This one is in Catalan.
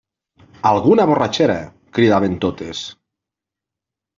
Alguna borratxera! –cridaven totes.